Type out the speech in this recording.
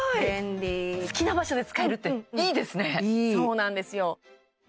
便利好きな場所で使えるっていいですねいいそうなんですよ